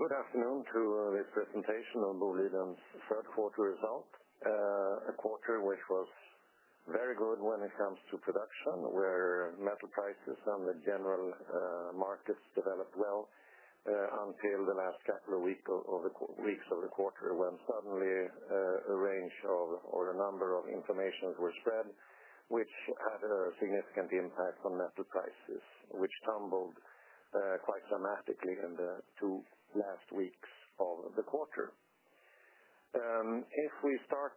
Good afternoon. Through, with presentation on Boliden's third quarter result. A quarter which was very good when it comes to production, where metal prices and the general markets developed well, until the last couple of weeks of the quarter when suddenly, a range of or a number of information was spread, which had a significant impact on metal prices, which tumbled quite dramatically in the two last weeks of the quarter. If we start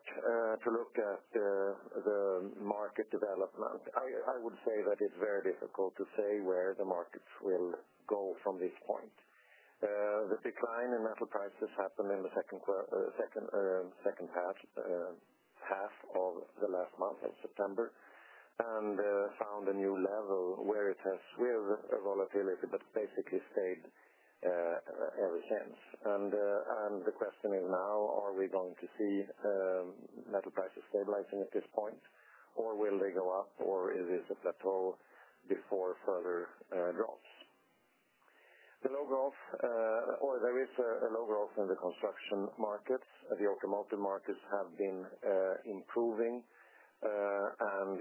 to look at the market development, I would say that it's very difficult to say where the markets will go from this point. The decline in metal prices happened in the second quarter, second half of the last month, in September, and found a new level where it has swerved volatility but basically stayed ever since. The question is now, are we going to see metal prices stabilizing at this point, or will they go up, or is this a plateau before further drops? The low growth, or there is a low growth in the construction markets. The automotive markets have been improving.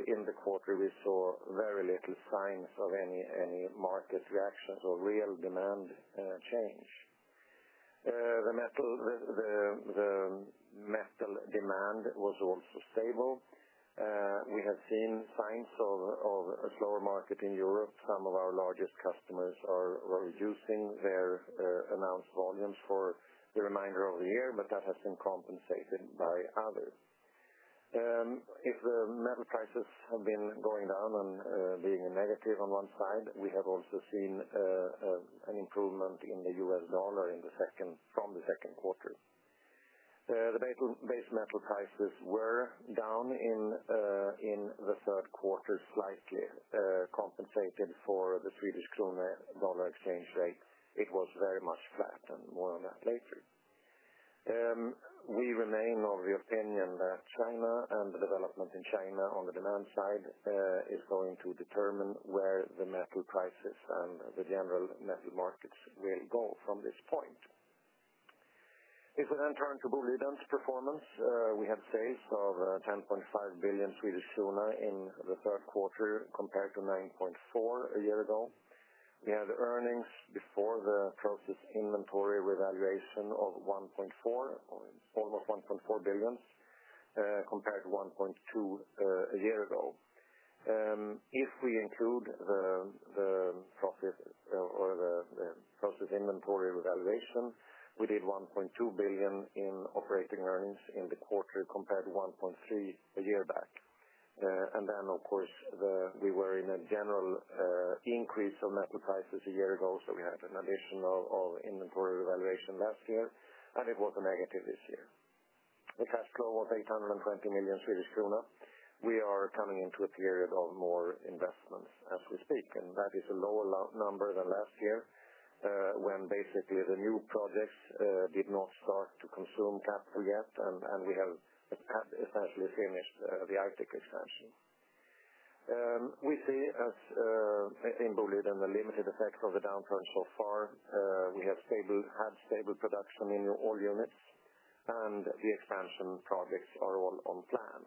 In the quarter, we saw very little signs of any market reactions or real demand change. The metal demand was also stable. We have seen signs of a slower market in Europe. Some of our largest customers are reducing their announced volumes for the remainder of the year, but that has been compensated by others. If the metal prices have been going down and being negative on one side, we have also seen an improvement in the U.S. dollar from the second quarter. The base metal prices were down in the third quarter slightly, compensated for the Swedish krona, dollar exchange rate. It was very much flat, and more on that later. We remain of the opinion that China and the development in China on the demand side is going to determine where the metal prices and the general metal markets will go from this point. If we then turn to Boliden's performance, we had sales of 10.5 billion in the third quarter compared to 9.4 billion a year ago. We had earnings before the process inventory revaluation of 1.4 billion, almost 1.4 billion, compared to 1.2 billion a year ago. If we include the process inventory revaluation, we did 1.2 billion in operating earnings in the quarter compared to 1.3 billion a year back. Of course, we were in a general increase of metal prices a year ago, so we had an additional inventory revaluation last year, and it was a negative this year. The cash flow was 820 million Swedish krona. We are coming into a period of more investments as we speak, and that is a lower number than last year, when basically the new projects did not start to consume capital yet, and we have essentially finished the Aitik expansion. We see in Boliden the limited effects of the downturn so far. We have had stable production in all units, and the expansion targets are all on plan.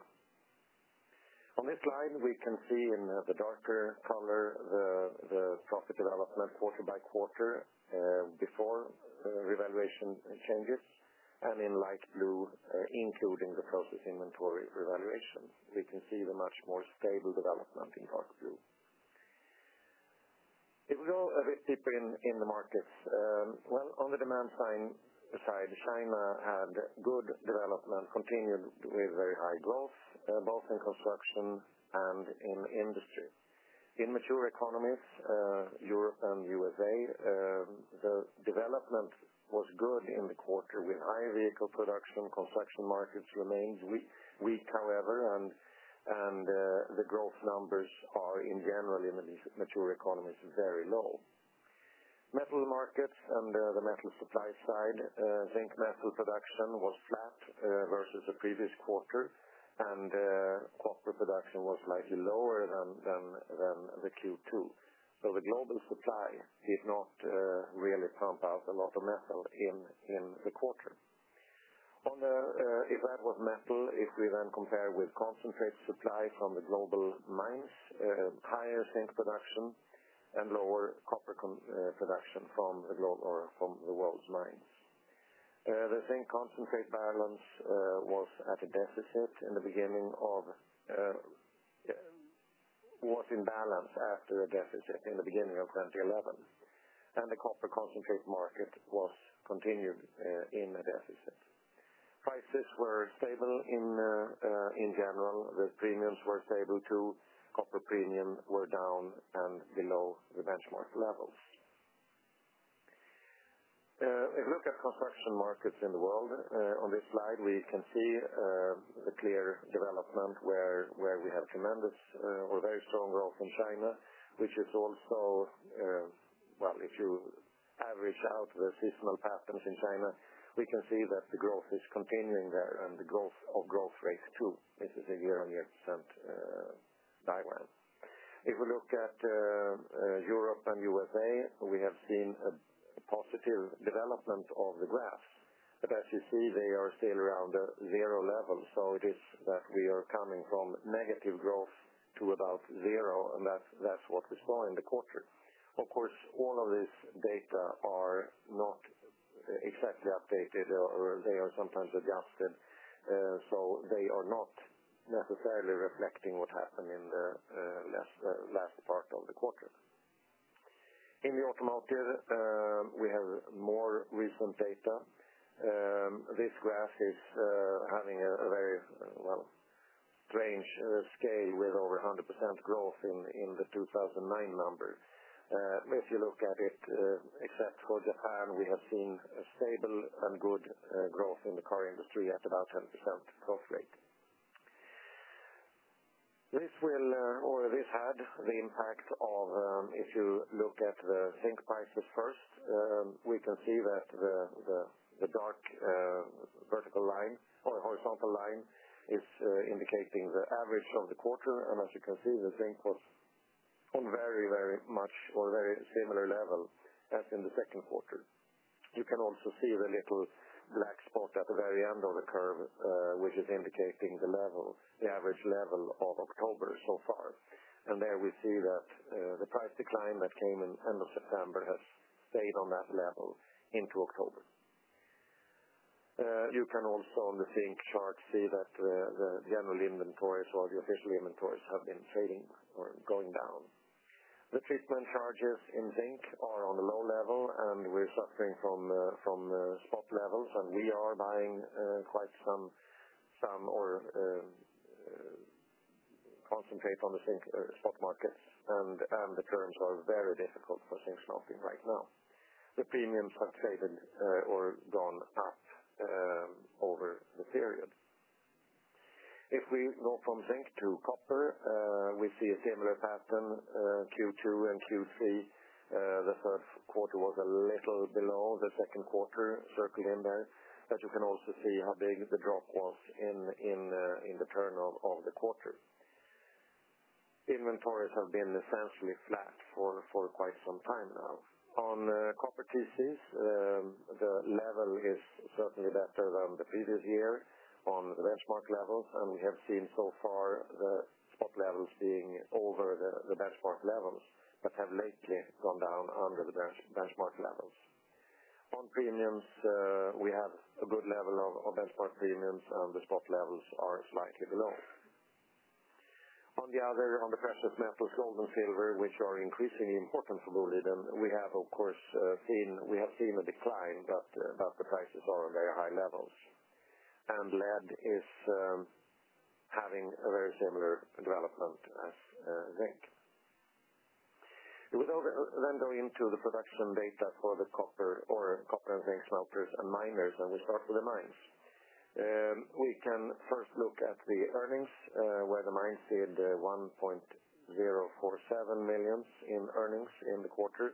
On this slide, we can see in the darker color the profit development quarter by quarter before revaluation changes, and in light blue, including the process inventory revaluations. We can see the much more stable development in dark blue. If we go a bit deeper in the markets, on the demand side, China had good development, continued with very high growth, both in construction and in industry. In mature economies, Europe and the U.S.A., the development was good in the quarter with high vehicle production. Construction markets remained weak, however, and the growth numbers are, in general, in the mature economies very low. Metal markets and the metal supply side, zinc metal production was flat versus the previous quarter, and copper production was slightly lower than the Q2. The global supply did not really pump out a lot of metal in the quarter. If that was metal, if we then compare with concentrate supply from the global mines, higher zinc production and lower copper production from the world's mines. The zinc concentrate balance was in balance after a deficit in the beginning of 2011, and the copper concentrate market was continued in a deficit. Prices were stable in general. The premiums were stable too. Copper premiums were down and below the benchmark levels. If we look at construction markets in the world, on this slide, we can see the clear development where we have tremendous or very strong growth in China, which is also, if you average out the seasonal patterns in China, we can see that the growth is continuing there and the growth of growth rates too. This is a year-on-year % diagram. If we look at Europe and the U.S.A., we have seen a positive development of the graph, but as you see, they are still around the zero level, so it is that we are coming from negative growth to about zero, and that's what we saw in the quarter. Of course, all of this data are not exactly updated or they are sometimes adjusted, so they are not necessarily reflecting what happened in the last part of the quarter. In the automotive, we have more recent data. This graph is having a very, well, strange scale with over 100% growth in the 2009 number. If you look at it, except for Japan, we have seen a stable and good growth in the car industry at about 10% growth rate. This will, or this had the impact of, if you look at the zinc prices first, we can see that the dark vertical line or horizontal line is indicating the average of the quarter, and as you can see, the zinc was on very, very much or very similar level as in the second quarter. You can also see the little black spot at the very end of the curve, which is indicating the levels, the average level of October so far. There we see that the price decline that came in the end of September has stayed on that level into October. You can also, on the zinc chart, see that the general inventories or the official inventories have been fading or going down. The treatment charges in zinc are on the low level and we're suffering from spot levels, and we are buying quite some ore concentrate on the zinc spot markets, and the currency are very difficult for zinc shopping right now. The premiums have stayed or gone up over the period. If we go from zinc to copper, we see a similar pattern, Q2 and Q3. The first quarter was a little below the second quarter circled in there, but you can also see how big the drop was in the turn of the quarter. Inventories have been essentially flat for quite some time now. On copper pieces, the level is certainly better than the previous year on benchmark levels, and we have seen so far the spot levels being over the benchmark level but have lately gone down under the benchmark levels. On premiums, we have a good level of benchmark premiums, and the spot levels are slightly below. On the other, on the precious metals, gold and silver, which are increasingly important for Boliden, we have, of course, seen a decline but the prices are on very high levels. Lead is having a very similar development as zinc. If we then go into the production data for the copper or copper and zinc smelters and miners, and we start with the mines. We can first look at the earnings, where the mines did 1.047 million in earnings in the quarter,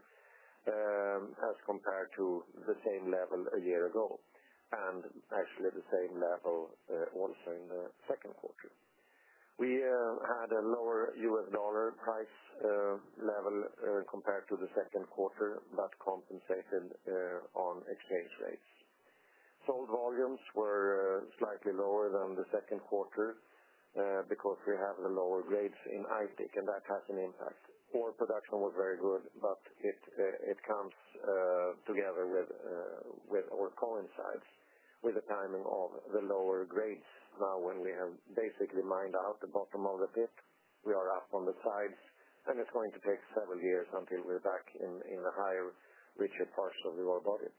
as compared to the same level a year ago and actually the same level also in the second quarter. We had a lower U.S. dollar price level compared to the second quarter but compensated on exchange rates. Sold volumes were slightly lower than the second quarter because we have the lower grades in Aitik, and that has an impact. Ore production was very good, but it comes together with our coin size with the timing of the lower grades. Now, when we have basically mined out the bottom of the pit, we are up on the sides, and it's going to take several years until we're back in the higher, richer parts of the ore body.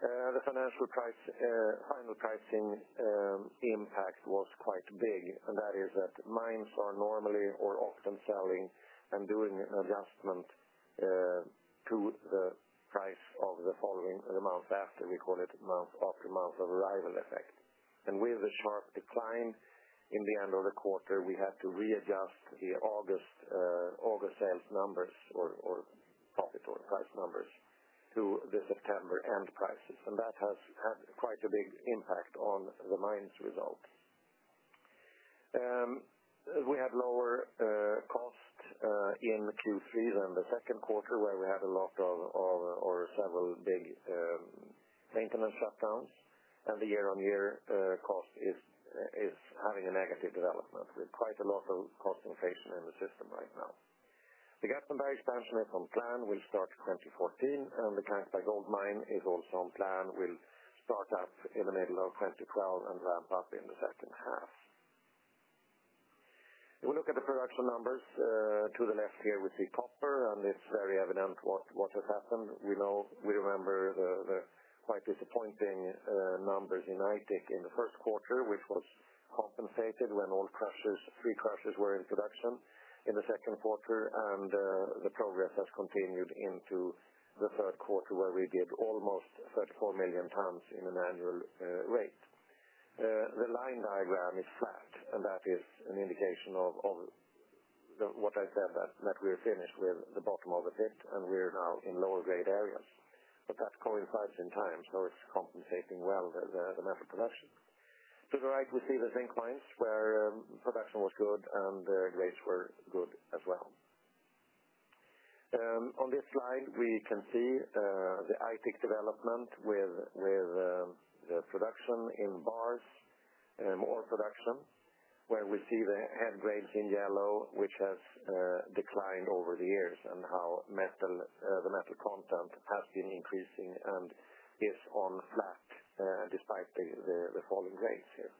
The final pricing impact was quite big, and that is that mines are normally or often selling and doing an adjustment to the price of the following the month after. We call it month after month of arrival effect. With this sharp decline in the end of the quarter, we had to readjust the August sales numbers or profit or price numbers to the September end prices, and that has had quite a big impact on the mines' results. We had lower cost in Q3 than the second quarter where we had a lot of, or several big, maintenance shutdowns, and the year-on-year cost is having a negative development with quite a lot of costs and tradesmen in the system right now. The Garpenberg expansion is on plan. We start 2014, and the Kankberg gold mine is also on plan. We'll start up in the middle of 2012 and ramp up in the second half. If we look at the production numbers, to the left here we see copper, and it's very evident what has happened. We know, we remember the quite disappointing numbers in Aitik in the first quarter, which was compensated when all presses, three presses were in production in the second quarter, and the progress has continued into the third quarter where we did almost 34 million tons in an annual rate. The line diagram is flat, and that is an indication of what I said, that we're finished with the bottom of the pit, and we're now in lower grade areas, but that coincides in time, so it's compensating well the metal production. To the right, we see the zinc mines where production was good and their grades were good as well. On this slide, we can see the Aitik development with the production in bars, ore production, where we see the head grades in yellow, which has declined over the years and how the metal content has been increasing and is on flat, despite the falling grades here.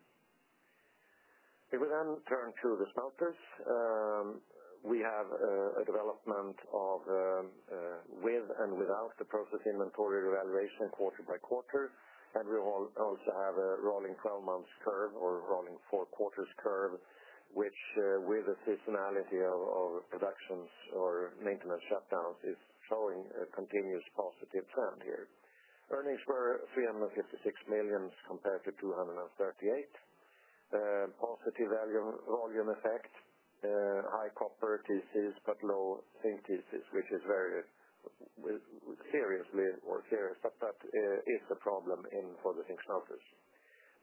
If we then turn to the smelters, we have a development of, with and without the process inventory revaluation quarter by quarter, and we also have a rolling 12-month curve or rolling four quarters curve, which, with the seasonality of productions or maintenance shutdowns, is showing a continuous positive trend here. Earnings were 356 million compared to 238 million. Positive value volume effect, high copper prices but low zinc prices, which is very serious, but that is a problem for the zinc smelters.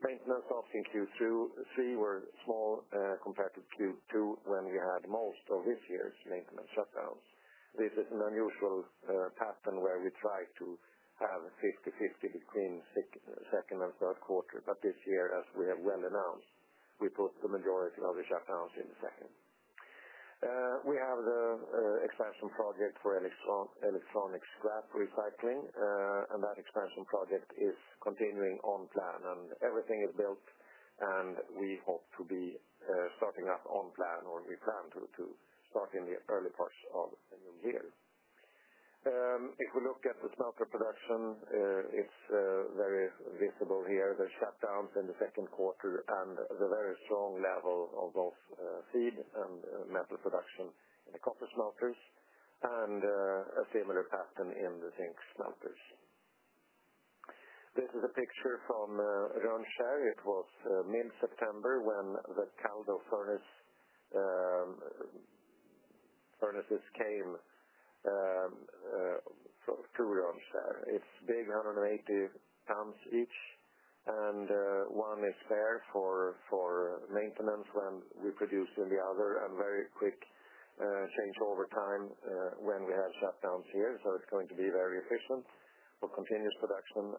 Maintenance of zinc Q2 were small compared to Q2 when we had most of this year's maintenance shutdown. This is an unusual pattern where we try to have a 50/50 between the second and third quarter, but this year, as we have went around, we put the majority of the shutdowns in the second. We have the expansion project for electronics recycling, and that expansion project is continuing on plan, and everything is built, and we hope to be starting up on plan or we plan to start in the early parts of the new year. If we look at the smelter production, it's very visible here. There's shutdowns in the second quarter and the very strong level of those feed and metal production in the copper smelters and a similar pattern in the zinc smelters. This is a picture from Rönnskär. It was mid-September when the Skaldo furnaces came to Rönnskär. It's big, 180 tons each, and one is there for maintenance when we produce in the other and very quick things over time when we have shutdowns here, so it's going to be very efficient for continued production.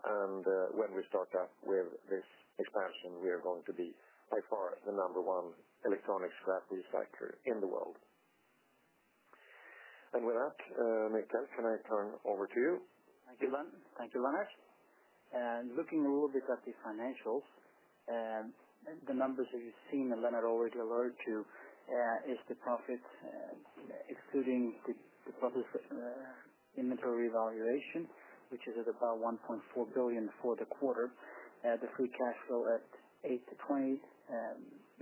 When we start up with this expansion, we are going to be by far the number one electronics recycler in the world. With that, Mikael, can I turn over to you? Thank you, Lennart. Looking a little bit at the financials, the numbers that you've seen that Lennart already alluded to is the profits, excluding the profits, inventory revaluation, which is at about 1.4 billion for the quarter. The free cash flow at 8.8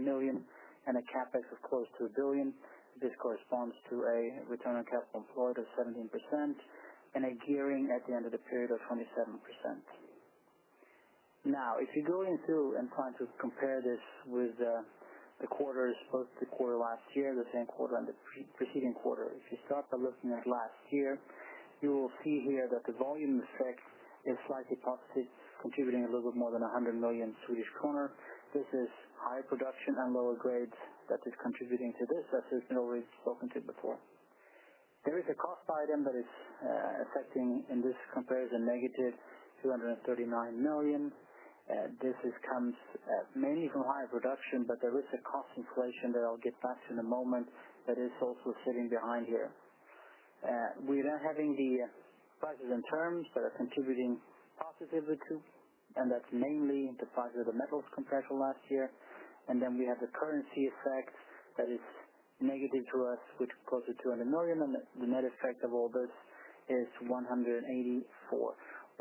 million, and a CapEx of close to 1 billion. This corresponds to a return on capital flow of 17% and a gearing at the end of the period of 27%. Now, if you go into and try to compare this with the quarters of the quarter last year, the full quarter, and the preceding quarter, if you start by looking at last year, you will see here that the volume effect is slightly positive, contributing a little bit more than 100 million Swedish kronor. This is high production and lower grades that is contributing to this. This is the always welcomed to before. There is a cost item that is affecting, and this compares a -239 million. This comes at many from higher production, but there is a cost inflation that I'll get back to in a moment that is also sitting behind here. We are now having the positive terms that are contributing positively to, and that's mainly the price of the metals we tackled last year. We have the currency effect that is negative to us with closer to SEK 200 million, and the net effect of all this is 184 million.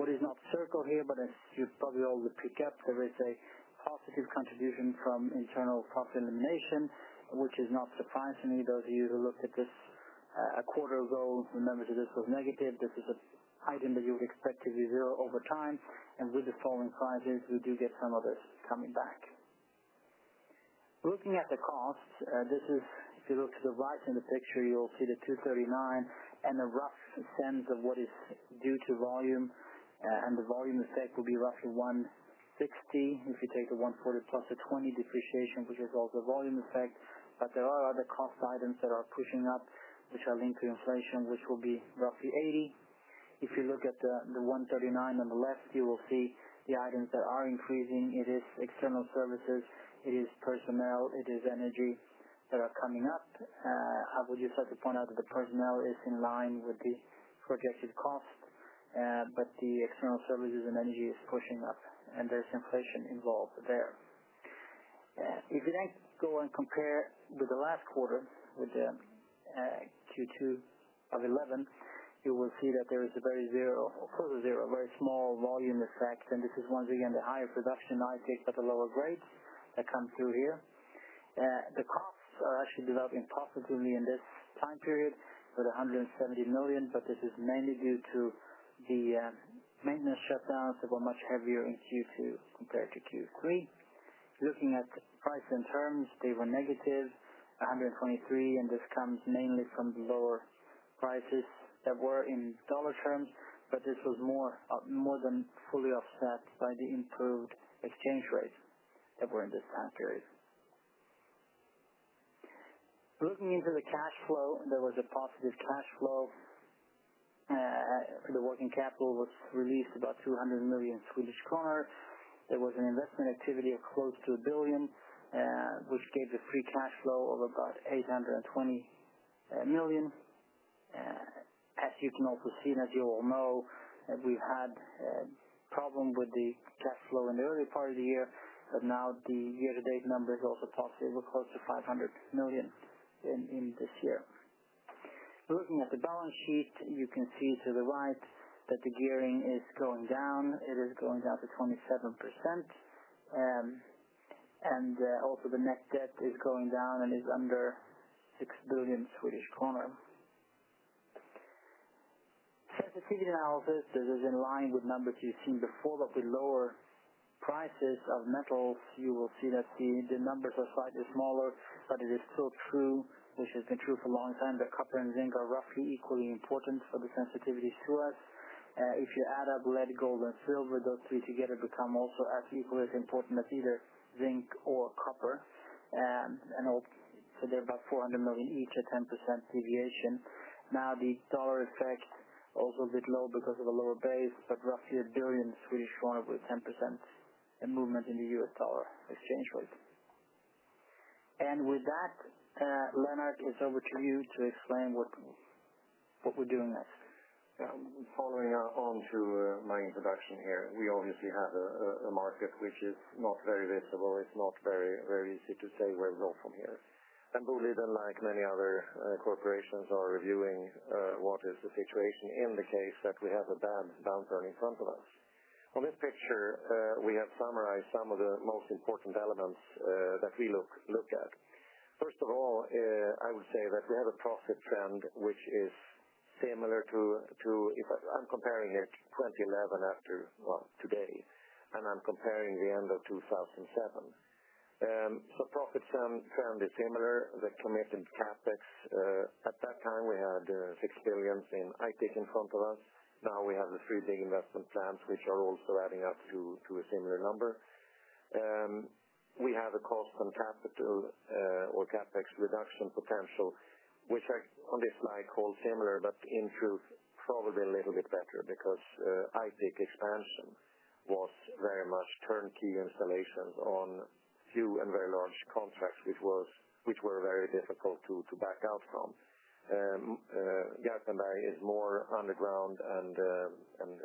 What is not circled here, but as you probably all would pick up, is a positive contribution from internal cost elimination, which is not surprising to me. Those of you who looked at this a quarter ago remember that this was negative. This is an item that you would expect to be zero over time, and with the falling prices, we do get some of this coming back. Looking at the costs, if you look to the right in the picture, you'll see the 239 million and a rough sense of what is due to volume, and the volume effect will be roughly 160 million if you take the 140 million plus the 20 million depreciation, which is also a volume effect. There are other cost items that are pushing up, which are linked to inflation, which will be roughly 80 million. If you look at the 139 million on the left, you will see the items that are increasing. It is external services. It is personnel. It is energy that are coming up. I would just like to point out that the personnel is in line with the progressive cost, but the external services and energy is pushing up, and there's inflation involved there. If you then go and compare with the last quarter, with the Q2 of 2011, you will see that there is a very zero, close to zero, a very small volume effect, and this is once again the higher production in Aitik but the lower grades that come through here. The costs are actually developing positively in this time period of the 170 million, but this is mainly due to the maintenance shutdowns that were much heavier in Q2 compared to Q3. Looking at price and terms, they were -123 million, and this comes mainly from the lower prices that were in dollar terms, but this was more than fully offset by the improved exchange rates that were in this time period. Looking into the cash flow, there was a positive cash flow. The working capital was released, about 200 million Swedish kronor. There was an investment activity of close to a 1 billion, which gave the free cash flow of about 820 million. As you've now seen, as you all know, we had problems with the cash flow in the early part of the year, but now the year-to-date numbers also talk to over close to 500 million going in this year. Looking at the balance sheet, you can see to the right that the gearing is going down. It is going down to 27%. Also, the net debt is going down and is under 6 billion Swedish kronor. As a figure analysis, this is in line with numbers you've seen before, but with lower prices of metals, you will see that the numbers are slightly smaller, but it is still true, which has been true for a long time, that copper and zinc are roughly equally important for the sensitivities to us. If you add up lead, gold, and silver, those three together become also as equally as important as either zinc or copper. I'll put there about 400 million each, a 10% deviation. Now, the dollar effect is also a bit low because of a lower base, but roughly 1 billion Swedish kronor with 10% improvement in the US dollar exchange rate. With that, Lennart, it's over to you to explain what we're doing next. Yeah. We're following our own through, marine production here. We obviously have a market which is not very visible. It's not very, very easy to say where we go from here. Boliden, like many other corporations, are reviewing what is the situation in the case that we have a bad downturn in front of us. On this picture, we have summarized some of the most important elements that we looked at. First of all, I would say that we have a profit trend which is similar to, to if I'm comparing it 2011 after, well, today, and I'm comparing the end of 2007. The profit trend is similar. The commissioned CapEx, at that time, we had 6 billion in Aitik in front of us. Now we have the three big investment plans which are also adding up to a similar number. We have a cost and capital, or CapEx reduction potential, which are on this slide called similar, but improved probably a little bit better because Aitik expansion was very much turnkey installations on few and very large contracts which were very difficult to back out from. Garpenberg is more underground and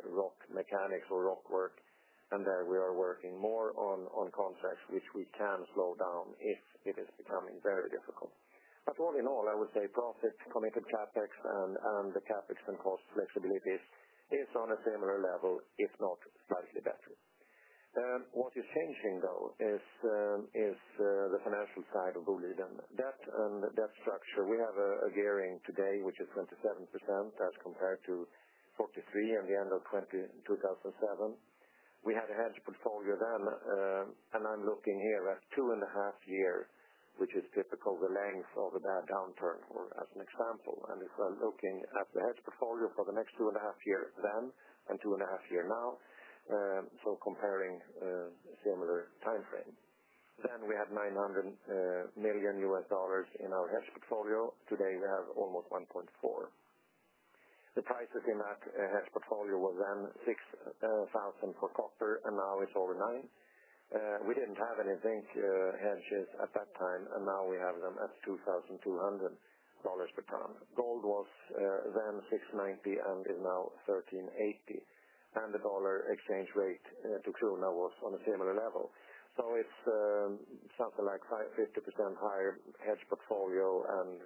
rock mechanics or rock work, and there we are working more on contracts which we can slow down if it is becoming very difficult. All in all, I would say profits, committed CapEx, and the CapEx and cost flexibility is on a similar level, if not slightly better. What is changing, though, is the financial side of Boliden. Debt and the debt structure, we have a gearing today which is 27% as compared to 43% at the end of 2007. We had a hedge portfolio then, and I'm looking here at two and a half years, which is typically the length of a bad downturn for as an example. If we're looking at the hedge portfolio for the next two and a half years then and two and a half years now, so comparing similar time frame, then we had $900 million in our hedge portfolio. Today, we have almost $1.4 billion. The prices in that hedge portfolio were then $6,000 for copper, and now it's over $9,000. We didn't have any zinc hedges at that time, and now we have them at $2,200 per ton. Gold was then $690 and is now $1,380. The dollar exchange rate to crude now was on a similar level. It's something like 50% higher hedge portfolio and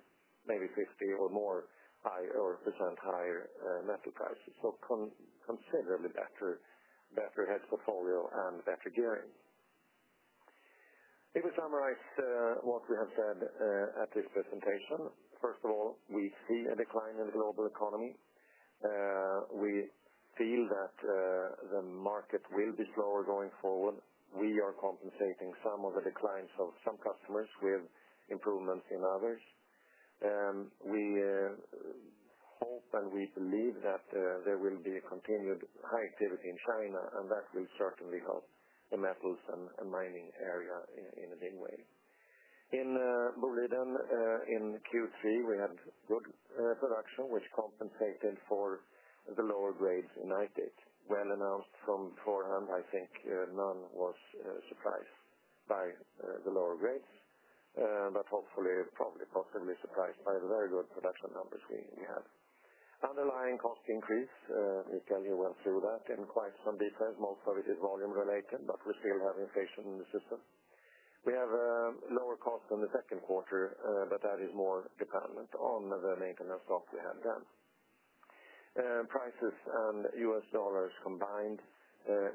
maybe 50% or more higher metal prices. Considerably better hedge portfolio and better gearing. If we summarize what we have said at this presentation, first of all, we've seen a decline in the global economy. We feel that the market will be slower going forward. We are compensating some of the declines of some customers with improvements in others. We hope and we believe that there will be continued high activity in China, and that will certainly help the metals and mining area in the same way. In Boliden, in Q3, we had good production which compensated for the lower grades in Aitik. When announced from forehand, I think none was surprised by the lower grades, but hopefully, probably positively surprised by the very good production numbers we had. Underlying cost increase, we tell you we'll see that in quite some different. Most of it is volume related, but we still have inflation in the system. We have a lower cost in the second quarter, but that is more dependent on the maintenance cost we had then. Prices and US dollars combined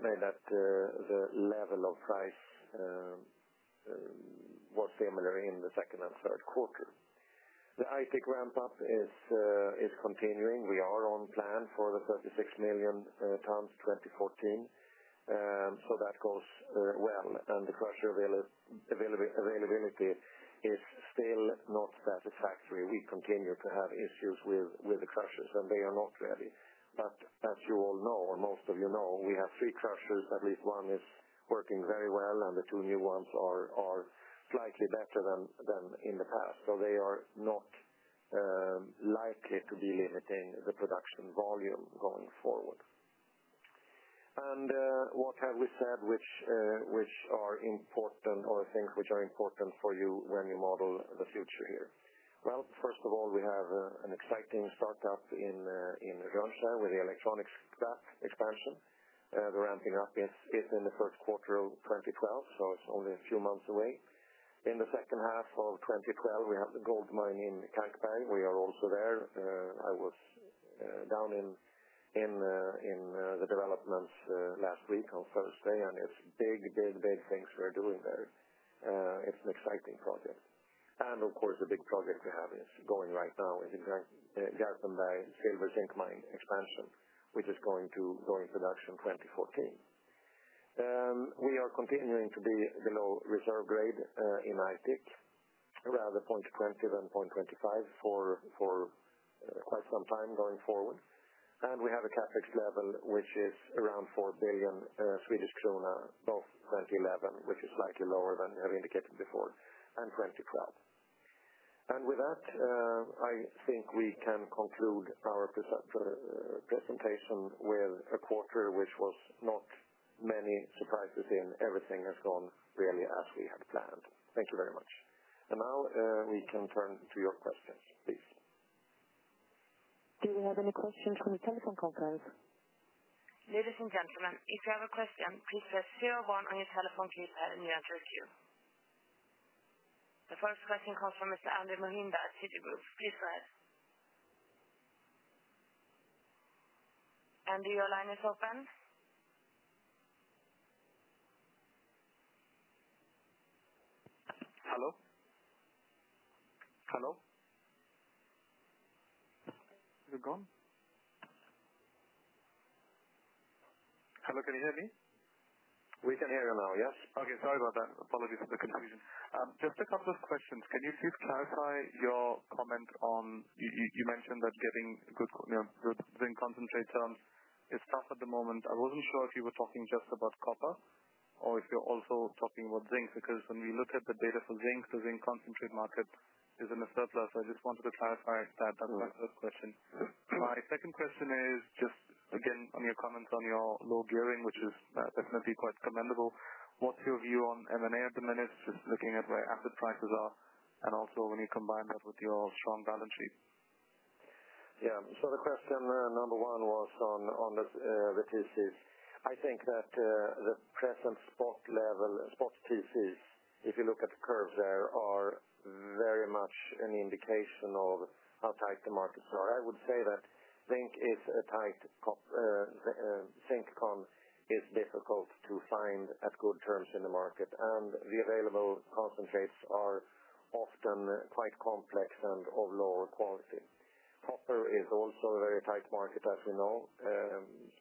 made that the level of price was similar in the second and third quarter. The Aitik ramp-up is continuing. We are on plan for the 36 million tons 2014, so that goes well. The crusher availability is still not satisfactory. We continue to have issues with the crushers, and they are not ready. As you all know, or most of you know, we have three crushers. At least one is working very well, and the two new ones are slightly better than in the past. They are not likely to be limiting the production volume going forward. What have we said with our important or things which are important for you when you model the future here? First of all, we have an exciting startup in Rönnskär with the electronics scrap expansion. We're ramping up this in the first quarter of 2012, so it's only a few months away. In the second half of 2012, we have the gold mine in Garpenberg. We are also there. I was down in the developments last week on Thursday, and it's big, big, big things we're doing there. It's an exciting project. Of course, the big project we have going right now is Garpenberg silver zinc mine expansion, which is going to go into production 2014. We are continuing to be below reserve grade in Aitik, around 0.20-0.25 for quite some time going forward. We have a CapEx level which is around 4 billion Swedish krona of 2011, which is slightly lower than we have indicated before, and 2012. With that, I think we can conclude our presentation with a quarter which was not many surprises in. Everything has gone really as we had planned. Thank you very much. Now, we can turn to your questions, please. Do we have any questions from the telephone conference? Ladies and gentlemen, if you have a question, please press zero one on your telephone keypad and you answer it here. The first question comes from. Please go ahead. Your line is open. Is it gone? Hello, can you hear me? We can hear you now, yes. Okay. Sorry about that. Apologies for the confusion. Just a couple of questions. Can you please clarify your comment on, you mentioned that getting good, you know, good zinc concentrate is tough at the moment. I wasn't sure if you were talking just about copper or if you're also talking about zinc because when we look at the data for zinc, the zinc concentrate market is in a surplus. I just wanted to clarify that question. My second question is, again, your comments on your low gearing, which is definitely quite commendable. What's your view on M&A at the minute, looking at where asset prices are, and also when you combine that with your strong balance sheet? Yeah. The question, number one was on, on this, the pieces. I think that, the present spot level, spot pieces, if you look at the curves there, are very much an indication of how tight the markets are. I would say that zinc is a tight, zinc con is difficult to find at good terms in the market, and the available concentrates are often quite complex and of lower quality. Copper is also a very tight market, as we know.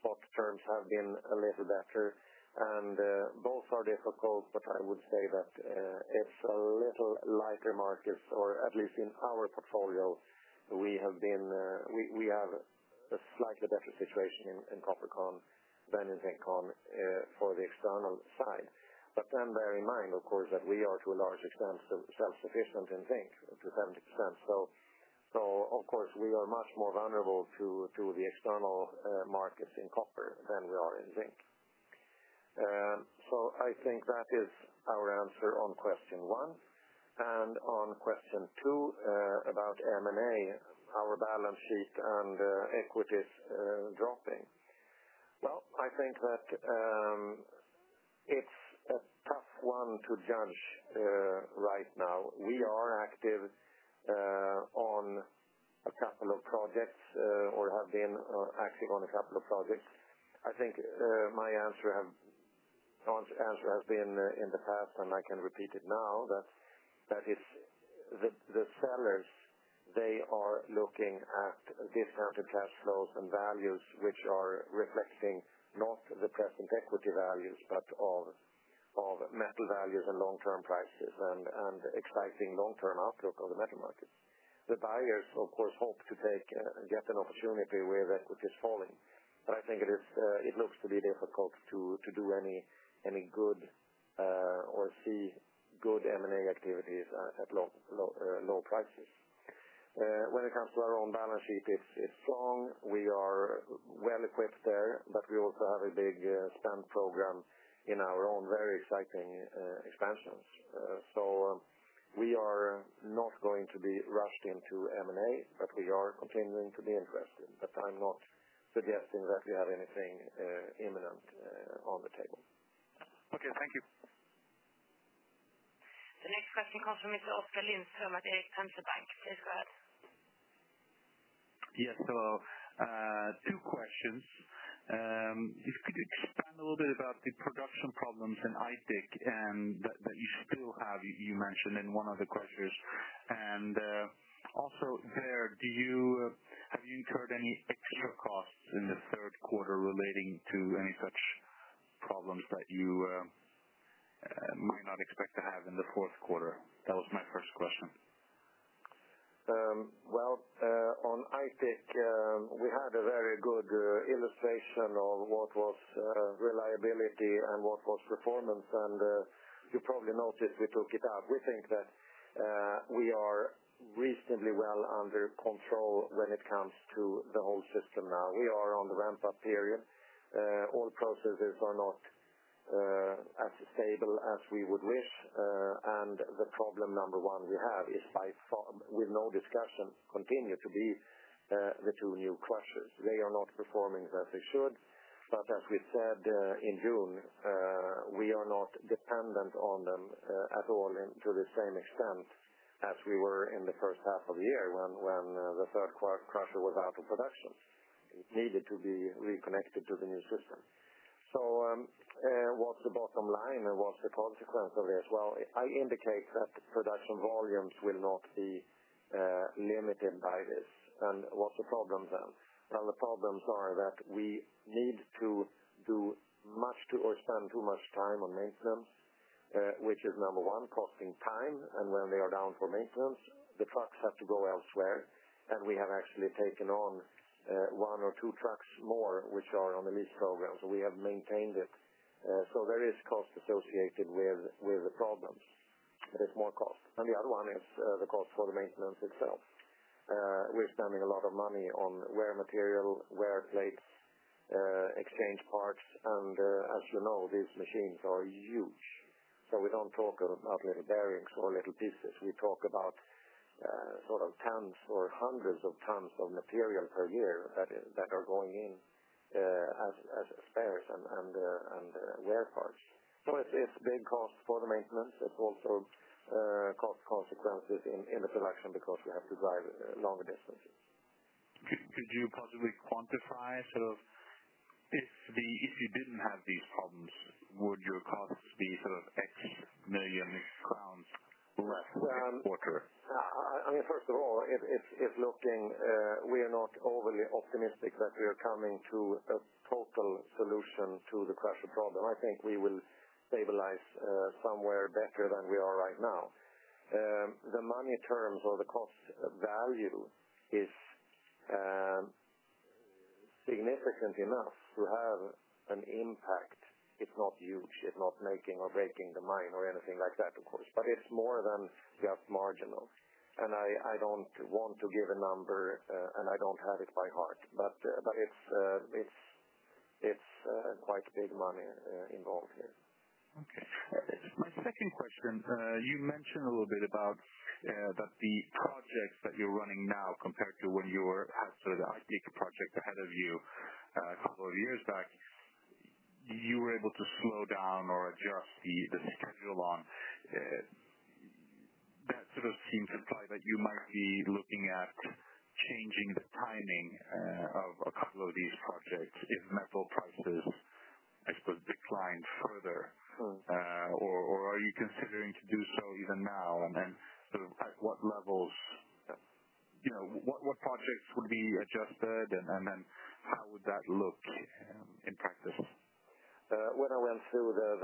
Spot terms have been a little better, and both are difficult, but I would say that it's a little lighter markets, or at least in our portfolio, we have been, we have a slightly better situation in, in copper con than in zinc con, for the external side. Bear in mind, of course, that we are to a large extent self-sufficient in zinc, to 70%. Of course, we are much more vulnerable to the external markets in copper than we are in zinc. I think that is our answer on question one. On question two, about M&A, our balance sheet and equities dropping. I think that it's a tough one to judge right now. We are active on a couple of projects, or have been active on a couple of projects. My answer has been in the past, and I can repeat it now, that it's the sellers, they are looking at discounted cash flows and values which are reflecting not the present equity values but of metal values and long-term prices and exciting long-term outlook on the metal market. The buyers, of course, hope to take, get an opportunity with equities falling. I think it looks to be difficult to do any good, or see good M&A activities, at low, low, low prices. When it comes to our own balance sheet, it's strong. We are well equipped there, but we also have a big stamp program in our own very exciting expansions. We are not going to be rushed into M&A, but we are continuing to be interested. I'm not suggesting that we have anything imminent on the table. Okay. Thank you. The next question comes from Mr. Oskar Lindström at Erik Penser Bank. Please go ahead. Yes. Hello. Two questions. Could you expand a little bit about the production problems in Aitik that you still have, you mentioned in one of the questions? Also, have you incurred any extra costs in the third quarter relating to any such problems that you may not expect to have in the fourth quarter? That was my first question. On Aitik, we had a very good illustration of what was reliability and what was performance, and you probably noticed we took it up. We think that we are reasonably well under control when it comes to the whole system now. We are on the ramp-up period. All processes are not as stable as we would wish. The problem, number one, we have is by far with no discussion, continue to be the two new crushers. They are not performing as they should. As we said in June, we are not dependent on them at all to the same extent as we were in the first half of the year when the third quarter crusher was out of production. It needed to be reconnected to the new system. What's the bottom line and what's the consequence of this? I indicate that production volumes will not be limited by this. What the problems are is that we need to do much or spend too much time on maintenance, which is, number one, costing time, and when they are down for maintenance, the trucks have to go elsewhere. We have actually taken on one or two trucks more which are on the lease programs, and we have maintained it. There is cost associated with the problems. There's more cost. The other one is the cost for the maintenance itself. We're spending a lot of money on wear material, wear plates, exchange parts, and, as you know, these machines are huge. We don't talk about little bearings or little pieces. We talk about tens or hundreds of tons of material per year that are going in as spares and wear parts. It's big costs for the maintenance. It's also cost consequences in the production because we have to drive longer distances. Could you possibly quantify if you didn't have these problems, would your costs be GBP X million less? First of all, it's looking, we are not overly optimistic that we are coming to a total solution to the pressure problem. I think we will stabilize somewhere better than we are right now. The money terms or the cost value is significant enough to have an impact. It's not huge. It's not making or breaking the mine or anything like that. It's more than just marginal. I don't want to give a number, and I don't have it by heart. It's quite big money involved here. Okay. My second question, you mentioned a little bit about the projects that you're running now compared to when you had sort of the Aitik project ahead of you a couple of years back. You were able to slow down or adjust the schedule on that, so it seems to imply that you might be looking at changing the timing of a couple of these projects if metal prices, I suppose, decline further. Or are you considering to do so even now? What levels, that's, you know, what projects would be adjusted, and how would that look in practice? When I went through the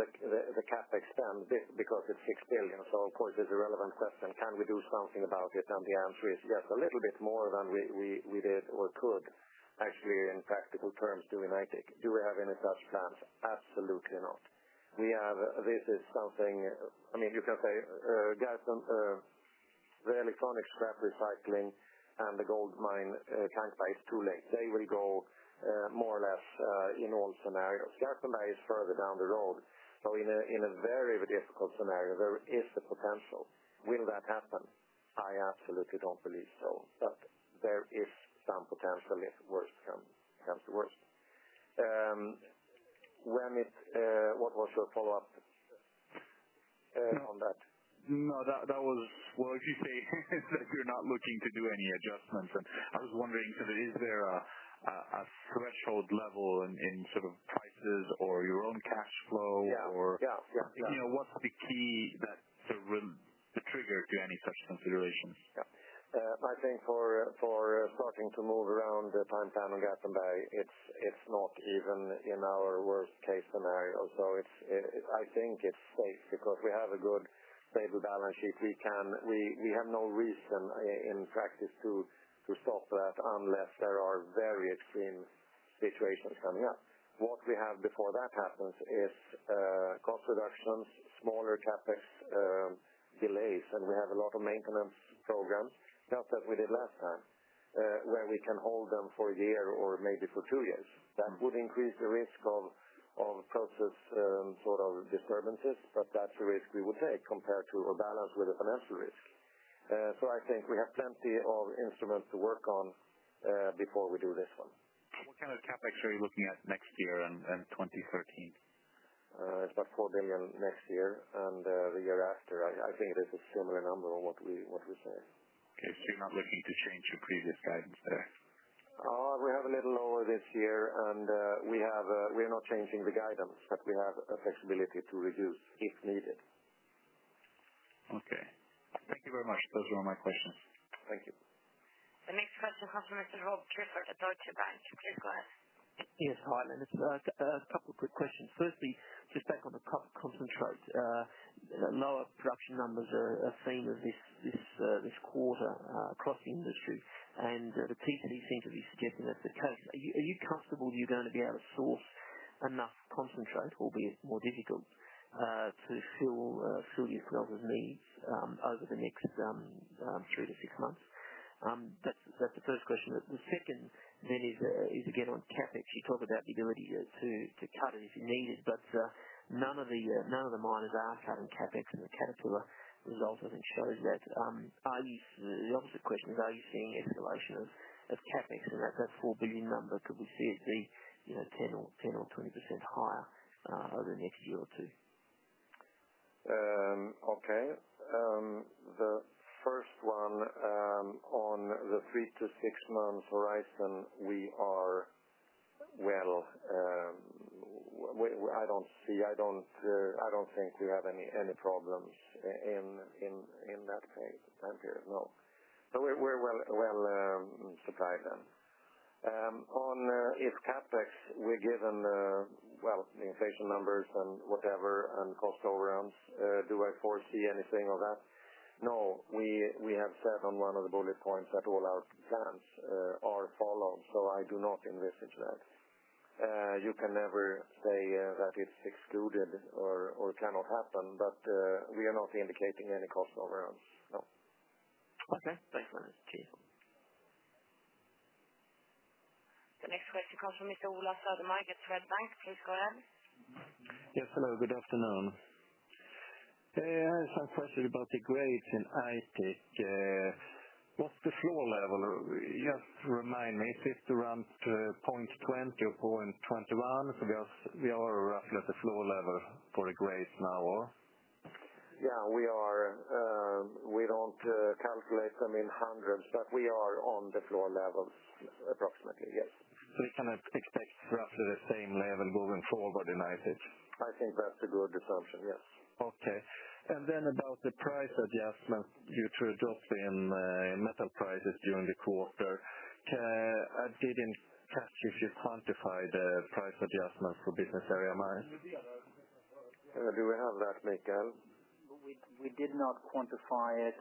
CapEx stamp, this because it's 6 billion, so of course, it's a relevant question. Can we do something about it? The answer is yes, a little bit more than we did or could actually in practical terms do in Aitik. Do we have any such plans? Absolutely not. This is something, I mean, you can say Garpenberg, the electronics recycling and the gold mine, Garpenberg is too late. They will go, more or less, in all scenarios. Garpenberg is further down the road. In a very difficult scenario, there is a potential. Will that happen? I absolutely don't believe so. There is some potential if it works from, comes to work. What was the follow-up on that? If you say that you're not looking to do any adjustments, I was wondering if there is a threshold level in sort of prices or your own cash flow. Yeah. Yeah. Yeah. You know, what's the key that really is the trigger to any such consideration? Yeah. I think for starting to move around the time plan on Garpenberg, it's not even in our worst-case scenario, although it's, I think it's safe because we have a good stable balance sheet. We have no reason, in practice, to stop that unless there are very extreme situations coming up. What we have before that happens is cost reductions, smaller CapEx, delays, and we have a lot of maintenance program just as we did last time, where we can hold them for a year or maybe for two years. That would increase the risk of process sort of disturbances, but that's the risk we would take compared to a balance with a financial risk. I think we have plenty of instruments to work on before we do this one. What kind of CapEx are you looking at next year and 2013? It's about 4 billion next year and the year after. I think it is a similar number on what we're saying. Okay. You're not looking to change your previous guidance there? We have a little lower this year, and we're not changing the guidance, but we have flexibility to reduce if needed. Okay. Thank you very much. Those are all my questions. Thank you. The next question comes from Mr. Rob Tripper at Deutsche Bank. Please go ahead. Yes, hi. Just a couple of quick questions. Firstly, just back on the product concentrate, the lower production numbers are seen as this quarter, costing an issue. The people, you seem to be suggesting that's the case. Are you comfortable that you're going to be able to source enough concentrate, or be it more digital, to fill your needs over the next three months to six months? That's the first question. The second is again on CapEx. You talk about the ability to cut it if needed, but none of the miners are cutting CapEx, and Caterpillar is also concerned. Are you, obviously, are you seeing escalation of CapEx? That 4 billion number, could we see as being, you know, 10% or 20% higher over the next year or two? Okay. On the three month to six month horizon, I don't see, I don't think we have any problems in that time period. No. We're well surprised. If CapEx, given the inflation numbers and whatever and cost overruns, do I foresee anything of that? No. We have said on one of the bullet points that all our plans are followed, so I do not envisage that. You can never say that it's excluded or cannot happen, but we are not indicating any cost overruns. No. Okay, thanks for this. The next question comes from at Swedbank. Please go ahead. Yes, hello. Good afternoon. I was asking about the grades in Aitik. What's the floor level? Just remind me. It's just around 0.20 or 0.21, so we are up at the floor level for the grades now, or? Yeah. We don't calculate them in hundreds, but we are on the floor levels, approximately. Yes. Can we expect roughly the same level moving forward in Aitik? I think that's a good assumption. Yes. Okay. About the price adjustments due to a drop in metal prices during the quarter, I didn't catch if you quantified the price adjustments for business area mining. Do we have that, Mikael? We did not quantify it.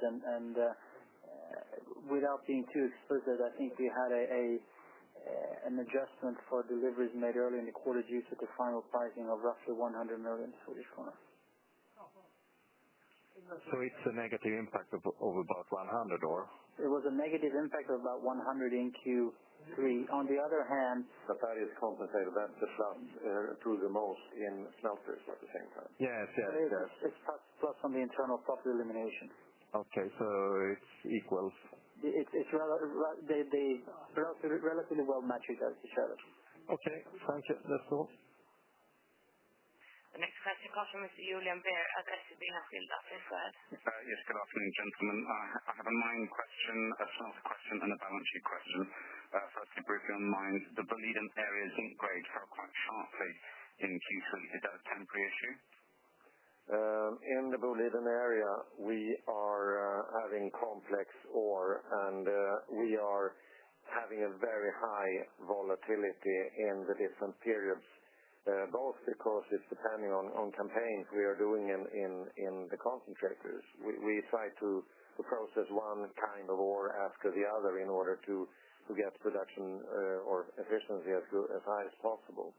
Without being too explicit, I think we had an adjustment for deliveries made early in the quarter due to the final pricing of roughly 100.45. It's a negative impact of about 100, or? It was a negative impact of about 100 million in Q3. On the other hand. That is compensated. That's the flood, through the most in smelters, I think. Yes. Yes. Yes. Plus, plus on the internal copper elimination. Okay, it equals? They relatively well match each other. Okay, sounds good. That's cool. The next question comes from. Please go ahead. Yes, good afternoon, gentlemen. I have a mining question, a shaft question, and a balance sheet question. First, to briefly unwind, the Boliden area's head grades fell quite sharply in Q3. Is that a temporary issue? In the Boliden area, we are having complex ore, and we are having a very high volatility in the different periods, both because it's depending on campaigns we are doing in the concentrators. We try to process one kind of ore after the other in order to get production or efficiency as high as possible.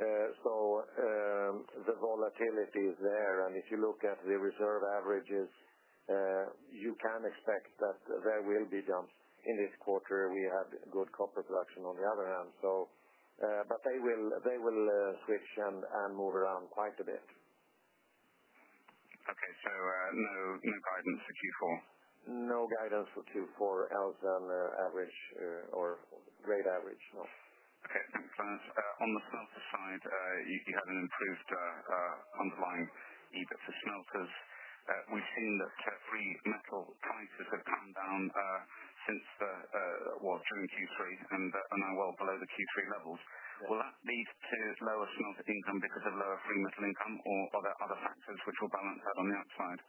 The volatility is there, and if you look at the reserve averages, you can expect that there will be jumps. In this quarter, we had good copper production on the other hand, but they will switch and move around quite a bit. Okay. No guidance for Q4? No guidance for Q4 other than the average, or grade average. Okay. Thanks, Lennart. On the smelter side, you had an improved underlying EBIT for smelters. We've seen that free metal prices have been down during Q3 and now well below the Q3 levels. Will that lead to lower smelter income because of lower free metal income, or are there other factors which will balance that on the upside?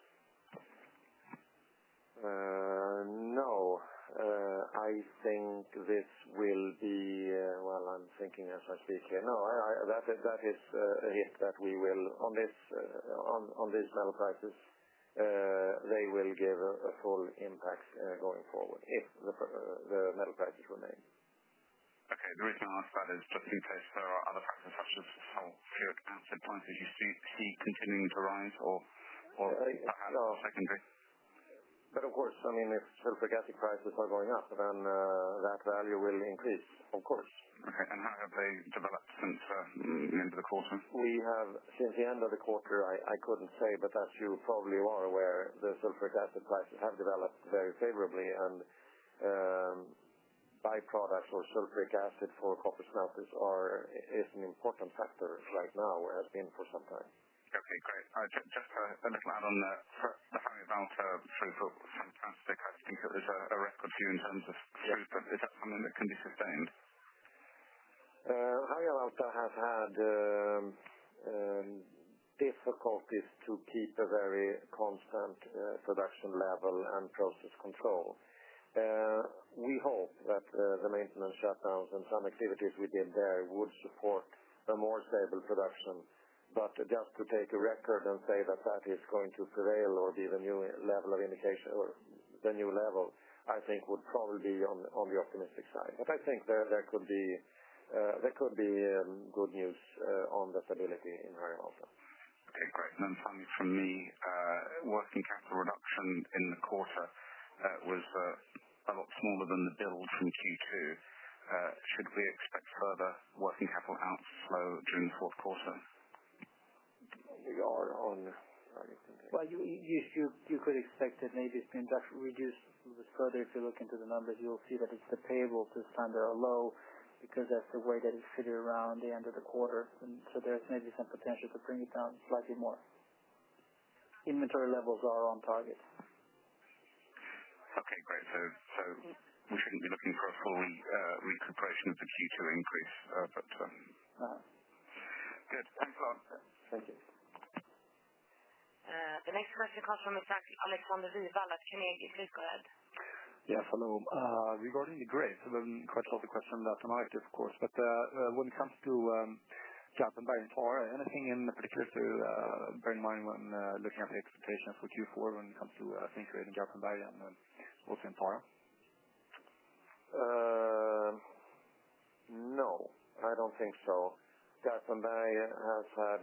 No, I think this will be, I'm thinking as I sit here. No, that is a hint that we will, on these metal prices, they will give a full impact going forward if the metal prices remain. Okay. The reason I ask that is just in case there are other factors such as fluid asset prices, you see continuing to rise or perhaps? No, I think that, of course, if sulfuric acid prices are going up, that value will increase, of course. Okay. How have they developed since the end of the quarter? Since the end of the quarter, as you probably are aware, the sulfuric acid prices have developed very favorably, and byproducts for sulfuric acid for copper smelters are an important factor right now, where it's been for some time. Okay. Great. Just to finish my add on that, the free of alta free felt fantastic. I think it was a record for you in terms of free felt? Yes. Is that something that can be sustained? Alta have had difficulties to keep a very constant production level and process control. We hope that the maintenance shutdowns and some activities we did there would support a more stable production. Just to take a record and say that that is going to prevail or be the new level of indication or the new level, I think would probably be on the optimistic side. I think there could be good news on the stability in Alta. Okay. Great. Finally, from me, working capital reduction in the quarter was a lot smaller than the build from Q2. Should we expect further working capital outflow during the fourth quarter? We are on. Sorry. You could expect that maybe it's been reduced a little bit further. If you look into the numbers, you'll see that it's the payable coupon that are low because that's the way that it's sitting around the end of the quarter, and so there's maybe some potential to bring it down slightly more. Inventory levels are on target. Okay. Great. You shouldn't be looking for a fully recuperation of the Q2 increase, but, All right. Good. Thanks, Lennart. Thank you. The next question comes from. Yes, hello? Regarding the grades, I'm quite of the question about the market, of course, but when it comes to Garpenberg and Tora, anything in particular to bear in mind when looking at the expectations for Q4 when it comes to thinking in Garpenberg and also in Tora? No. I don't think so. Garpenberg has had,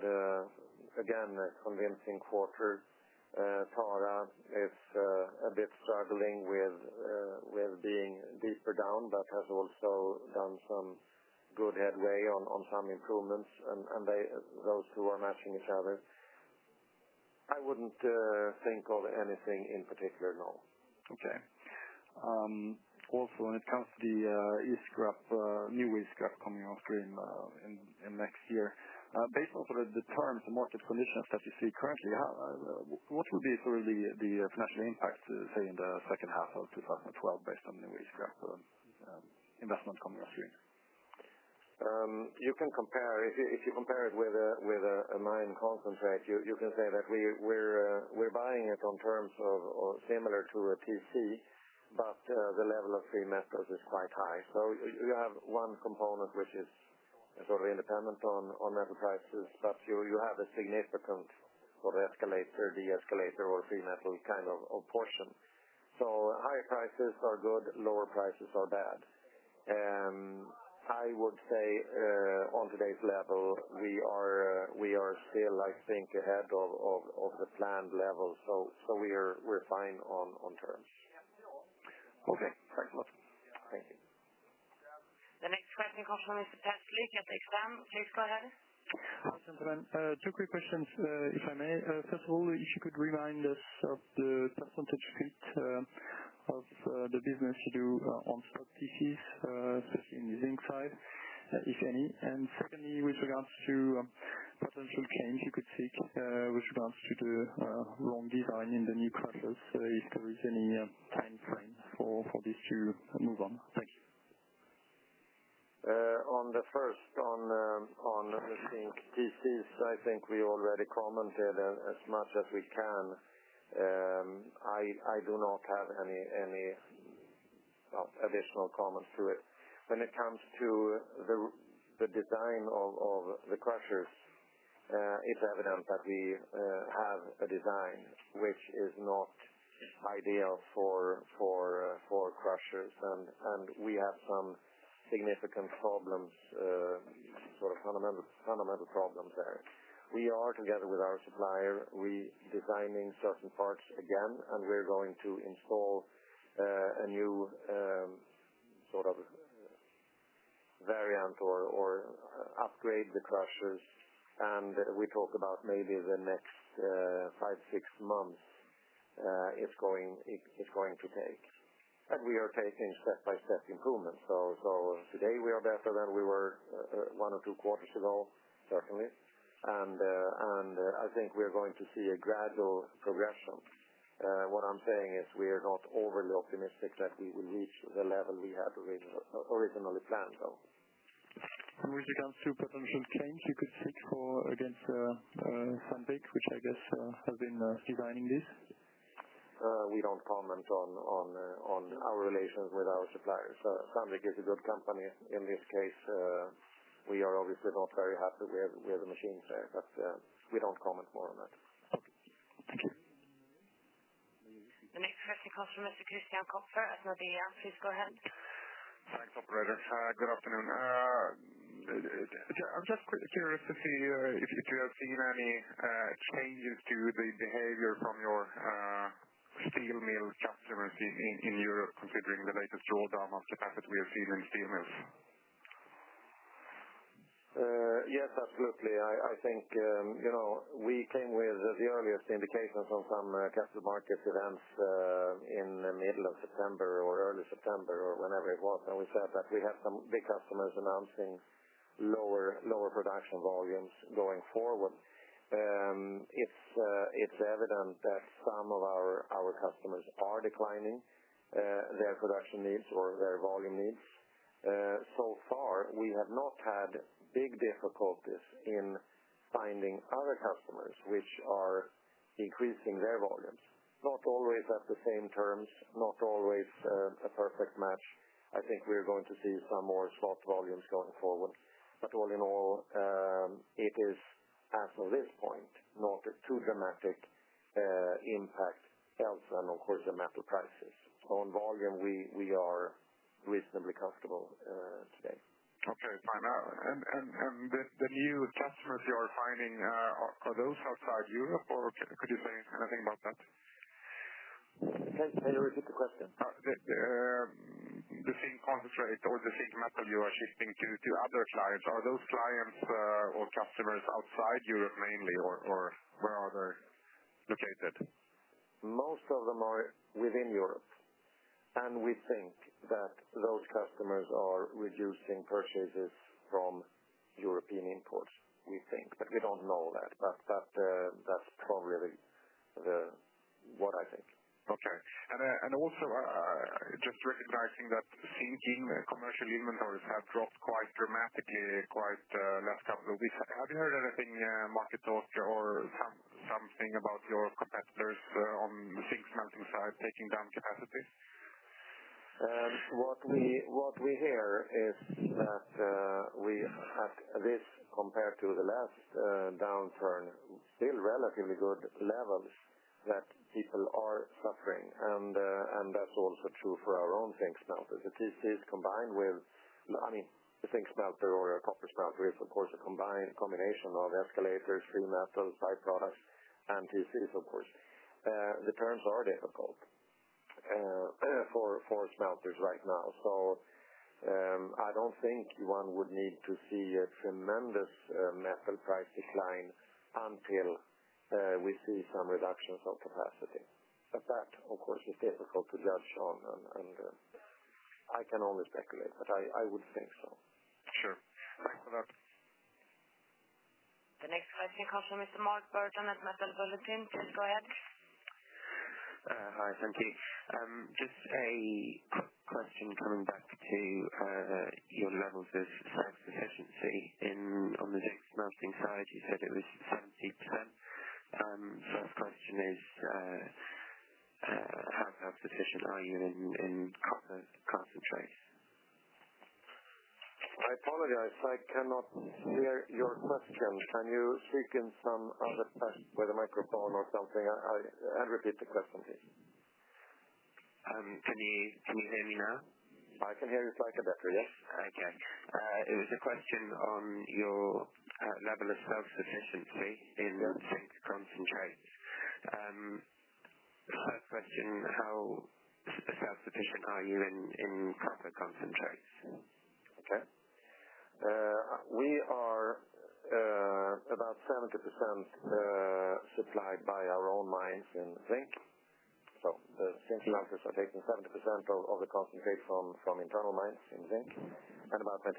again, a convincing quarter. Tora is a bit struggling with being deeper down but has also done some good headway on some improvements. They, those who are matching each other, I wouldn't think of anything in particular. No. Okay. Also, when it comes to the east trap, new east trap coming upstream next year, based off the terms and market conditions that we see currently, what would be sort of the financial impact, say, in the second half of 2012 based on the new east trap investment coming upstream? You can compare it with a mine concentrate. You can say that we're buying it on terms similar to a TC, but the level of free metals is quite high. You have one component which is totally independent on metal prices, but you have a significant sort of escalator, de-escalator, or free metal kind of portion. Higher prices are good. Lower prices are bad. I would say, on today's level, we are still, I think, ahead of the planned levels. We are fine on terms. Okay, very good. Yeah. Thank you. The next question comes from. Please go ahead. Yes, I'm good. Two quick questions, if I may. First of all, if you could remind us of the percentage fit of the business to do on stock pieces in the zinc side, if any, and certainly with regards to potential gains you could seek with regards to the wrong design in the new pressures, if there is any. On the first, on zinc TCs, I think we already commented as much as we can. I do not have any additional comments to it. When it comes to the design of the crushers, it's evident that we have a design which is not ideal for crushers, and we have some significant problems, sort of fundamental problems there. We are, together with our supplier, redesigning stress and parts again, and we're going to install a new sort of variant or upgrade the crushers. We talk about maybe the next five, six months it's going to take, and we are taking step-by-step improvements. Today we are better than we were one or two quarters ago, certainly, and I think we're going to see a gradual progression. What I'm saying is we're not overly optimistic that we will reach the level we had originally planned, though. Would it be downstream potential in Spain you could seek for against Sandvik, which I guess has been designing this? We don't comment on our relations with our suppliers. Sandvik is a good company in this case. We are obviously not very happy with the machines there, but we don't comment more on that. The next question comes from Mr. Christian Kopfer at Nordea. Please go ahead. Thanks, operator. Hi, good afternoon. I'm just curious to know if you're seeing, if you have seen any changes to the behavior from your steel mill customers in Europe considering the latest drawdown of the cash that we are seeing in steel mills? Yes, absolutely. I think, you know, we came with the earliest indications on some cash market events in the middle of September or early September or whenever it was, and we said that we had some big customers announcing lower production volumes going forward. It's evident that some of our customers are declining their production needs or their volume needs. So far, we have not had big difficulties in finding other customers which are increasing their volumes, not always at the same terms, not always a perfect match. I think we are going to see some more slot volumes going forward. All in all, it is, as of this point, not a too dramatic impact elsewhere, and of course, the metal prices. On volume, we are reasonably comfortable today. Okay. Fine. The new customers you are finding, are those outside Europe, or could you say anything about that? Can you repeat the question? The zinc concentrate or the zinc metal you are shifting to other clients, are those clients or customers outside Europe mainly, or where are they located? Most of them are within Europe. We think that those customers are reducing purchases from European imports, we think. We don't know that. That's probably what I think. Okay. Also, just recognizing that zinc in commercial inventories have dropped quite dramatically in the last couple of weeks. Have you heard anything, market talk or something about your competitors on the zinc smelting side taking down capacity? What we hear is that we have this compared to the last downturn, still relatively good levels that people are suffering. That's also true for our own zinc smelter. The TCs combined with, I mean, the zinc smelter or a copper smelter is, of course, a combination of escalators, free metals, byproducts, and TCs. The terms are difficult for smelters right now. I don't think one would need to see a tremendous metal price decline until we see some reductions of capacity. That is difficult to judge on. I can only speculate, but I would think so. Sure, thanks for that. The next question comes from Mr. Mark Burton at Metal Bulletin. Please go ahead. Hi. Thank you. Just a question coming back to your levels of surface efficiency on the zinc smelting side. You said it was 70%. That question is, how sufficient are you in copper concentrate? I apologize. I cannot hear your question. Can you speak in some other tone with a microphone or something? Please repeat the question. Can you hear me now? I can hear you slightly better. Yes. Okay. It was a question on your level of self-sufficiency in zinc concentrate. I have a question. How self-sufficient are you in copper concentrates? Okay. We are about 70% supplied by our own mines in zinc. Zinc smelters are taking 70% of the concentrate from internal mines in zinc and about 25%,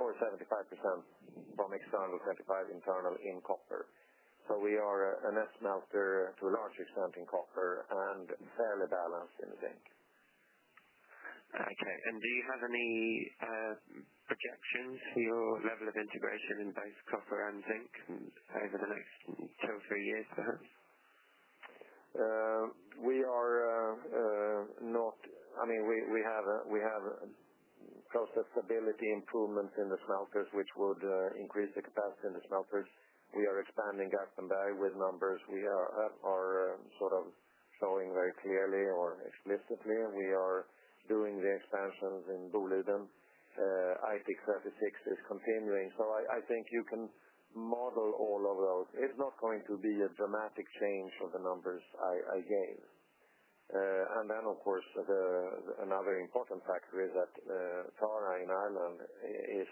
or 75% from external, 75% internal in copper. We are a nest smelter to a large extent in copper and fairly balanced in zinc. Okay. Do you have any projections for your level of integration in both copper and zinc over the next two or three years, perhaps? We have process stability improvements in the smelters, which would increase the capacity in the smelters. We are expanding Garpenberg with numbers we have, are sort of showing very clearly or explicitly. We are doing the expansions in Boliden. Aitik Surface Exchange is continuing. I think you can model all of those. It's not going to be a dramatic change of the numbers I gave. Another important factor is that Tara in Ireland is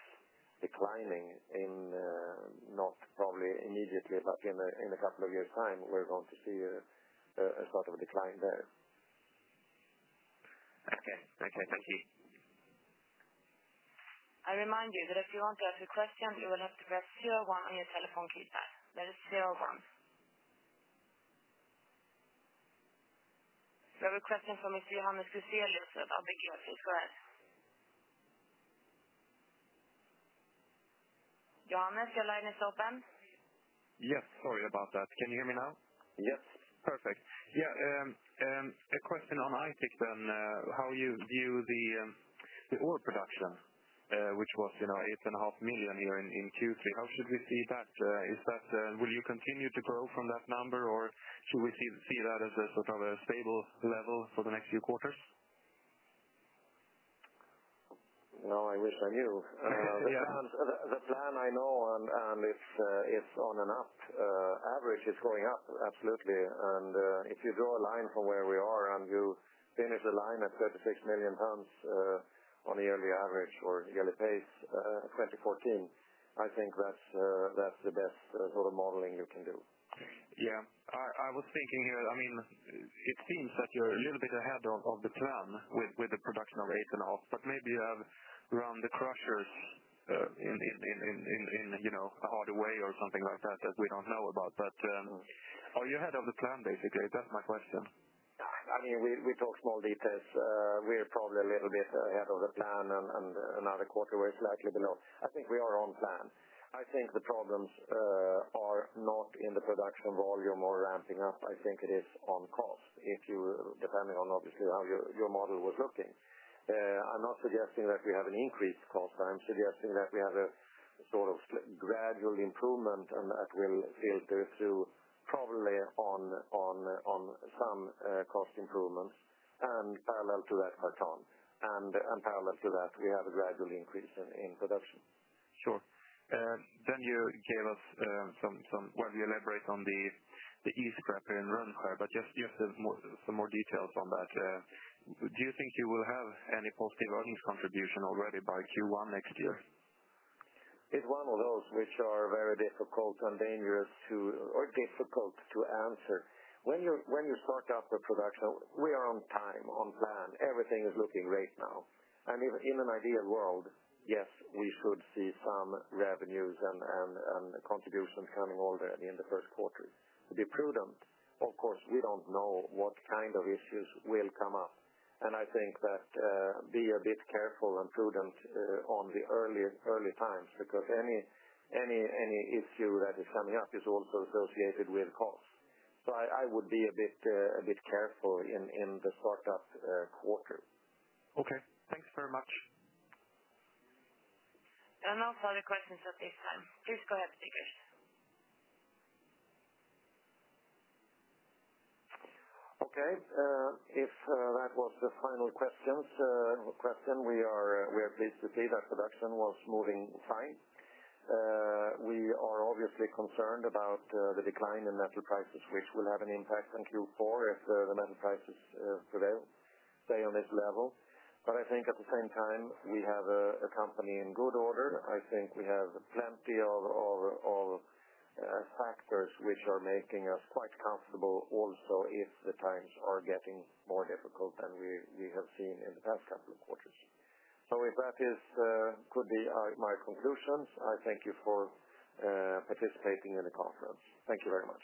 declining, not probably immediately, but in a couple of years' time, we're going to see a sort of a decline there. Okay. Okay. Thank you. I remind you that if you want to ask a question, you will have to press zero one on your telephone keypad. That is zero one. We have a question from Go ahead. your line is open. Yes, sorry about that. Can you hear me now? Yes. Perfect. Yeah, a question on Aitik then. How you view the ore production, which was, you know, 8.5 million here in Q3. How should we see that? Is that, will you continue to grow from that number, or should we see that as a sort of a stable level for the next few quarters? No, I wish I knew. The plan, I know, and it's on an up average. It's going up, absolutely. If you draw a line from where we are and you finish the line at 36 million tons, on a yearly average or yearly pace, 2014, I think that's the best sort of modeling you can do. Yeah, I was thinking here, I mean, it seems that you're a little bit ahead of the plan with the production of eight and a half, but maybe you have run the crushers in a hard way or something like that that we don't know about. Are you ahead of the plan, basically? That's my question. I mean, we talk small details. We're probably a little bit ahead of the plan, and another quarter we're slightly below. I think we are on plan. I think the problems are not in the production volume or ramping up. I think it is on cost, depending on, obviously, how your model was looking. I'm not suggesting that we have an increased cost. I'm suggesting that we have a sort of gradual improvement, and that will filter through probably on some cost improvements. Parallel to that, we have a gradual increase in production. Sure. You gave us some, you elaborate on the east trap here in Rönnskär, but just more details on that. Do you think you will have any positive earnings contribution already by Q1 next year? It's one of those which are very difficult and dangerous to, or difficult to answer. When you start up the production, we are on time, on plan. Everything is looking great now. In an ideal world, yes, we should see some revenues and contributions coming over in the first quarter. Be prudent. Of course, we don't know what kind of issues will come up. I think that, be a bit careful and prudent on the early, early times because any issue that is coming up is also associated with costs. I would be a bit, a bit careful in the startup quarter. Okay, thanks very much. There are no further questions at this time. Please go ahead with your question. Okay, if that was the final question, we are pleased to see that production was moving fine. We are obviously concerned about the decline in metal prices, which will have an impact on Q4 if the metal prices prevail, stay on this level. I think at the same time, we have a company in good order. I think we have plenty of factors which are making us quite comfortable also if the times are getting more difficult than we have seen in the past couple of quarters. That could be my conclusions. I thank you for participating in the conference. Thank you very much.